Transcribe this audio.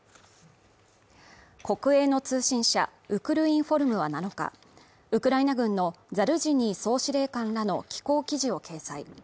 国営の通信社はウクルインフォルムは７日ウクライナ軍のザルジニー総司令官らの寄稿記事を掲載